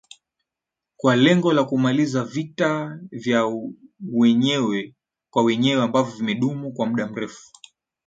kwa lengo la kumaliza vita vya wenyewe kwa wenyewe ambavyo vimedumu kwa muda mrefu